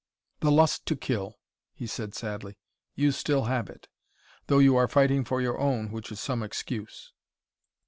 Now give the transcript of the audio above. "The lust to kill!" he said sadly. "You still have it though you are fighting for your own, which is some excuse.